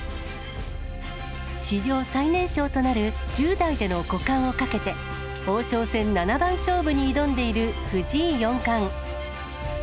史上最年少となる１０代での五冠をかけて、王将戦七番勝負に挑んでいる藤井四冠。